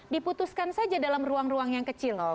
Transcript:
diputuskan saja dalam ruang ruang yang kecil